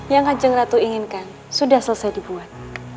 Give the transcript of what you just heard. yang ajang ratu inginkan sudah selesai dibuat